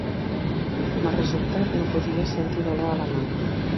Com a resultat, no podia sentir dolor a la mà.